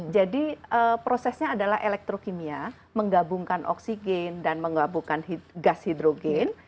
jadi prosesnya adalah elektrokimia menggabungkan oksigen dan menggabungkan gas hidrogen